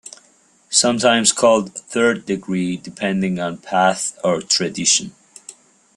Sometimes called Third degree, depending on path or tradition.